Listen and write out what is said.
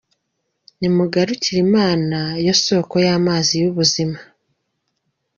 Nimugarukire Imana, yo soko y’amazi y’ubuzima.